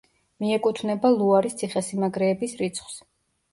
მიეკუთვნება ლუარის ციხესიმაგრეების რიცხვს.